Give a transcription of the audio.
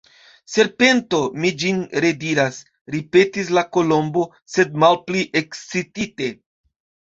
"Serpento, mi ĝin rediras," ripetis la Kolombo, sed malpli ekscitite.